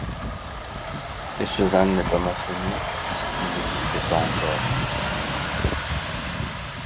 Échevannes n’est pas mentionné puisqu’il n’existait pas encore.